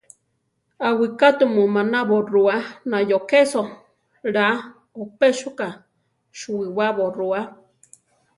Awigá tumu manábo rua nayó késo; Iá oʼpésuka suwibabo rua.